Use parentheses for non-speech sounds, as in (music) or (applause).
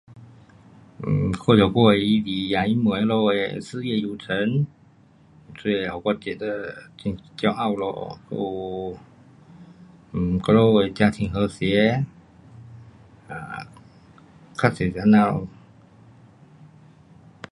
(unintelligible) 因为他们的事业有成，所以给我觉得很骄傲咯。还有，我们的家庭和谐。啊，较多是这样咯。